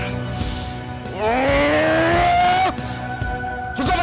aku harus bisa menembus